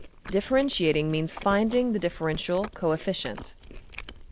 Differentiating means finding the differential coefficient.